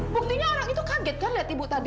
buktinya orang itu kaget kan lihat ibu tadi